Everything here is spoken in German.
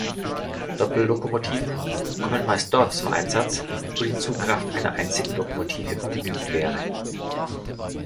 Doppellokomotiven kommen meist dort zum Einsatz, wo die Zugkraft einer einzigen Lokomotive ungenügend wäre.